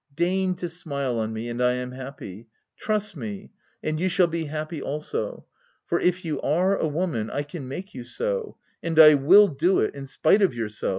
Deign to smile on me, and I am happy : trust me, and you shall be happy also, for if you are a woman, I can make you so — and I will do it in spite of yourself!"